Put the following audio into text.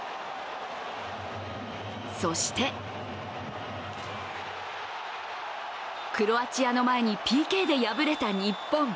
そしてクロアチアの前にＰＫで敗れた日本。